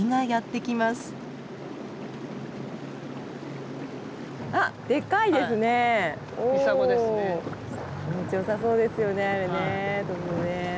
気持ちよさそうですよねあれね。